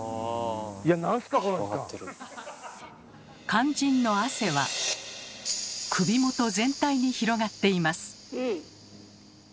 肝心の汗は首元全体に広がっています。